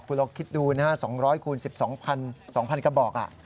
คุณลองคิดดูนะฮะ๒๐๐คูณ๑๒๒๐๐กระบอก